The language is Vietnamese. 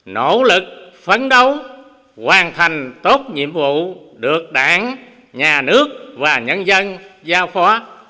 nỗ lực phấn đấu hoàn thành tốt nhiệm vụ được đảng nhà nước và nhân dân giao phó